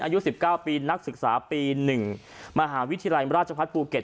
อายุสิบเก้าปีนักศึกษาปีหนึ่งมหาวิทยาลัยราชพรรดิปูเก็ต